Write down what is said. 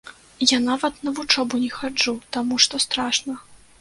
Я нават на вучобу не хаджу, таму што страшна.